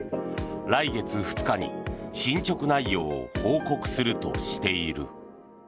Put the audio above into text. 来月２日に進ちょく内容を報告するとしている。